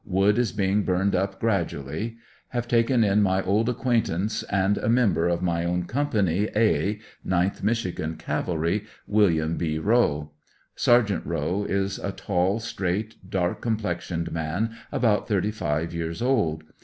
Wood is being burned up gradually. Have taken in my old acquaintance and a member of my ow^n company "A" 9th Mich. Cavalry, Wm. B. Rowe Sergt. Rowe is a tall, straight, dark com plexioned man, about thirty five years old.